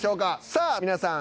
さあ皆さん